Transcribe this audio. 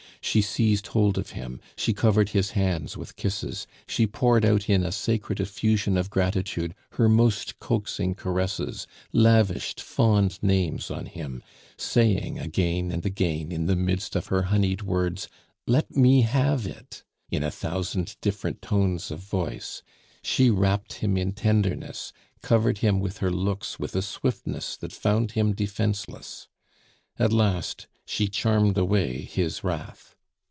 She seized hold of him; she covered his hands with kisses; she poured out in a sacred effusion of gratitude her most coaxing caresses, lavished fond names on him, saying again and again in the midst of her honeyed words, "Let me have it!" in a thousand different tones of voice; she wrapped him in tenderness, covered him with her looks with a swiftness that found him defenceless; at last she charmed away his wrath.